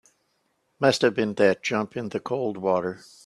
Must have been that jump in the cold water.